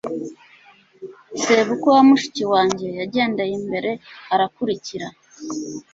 sebukwe wa mushiki wanjye yagendeye imbere, arakurikira